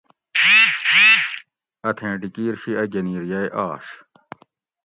اتھیں ڈِکیر شی اۤ گنیر یئ آش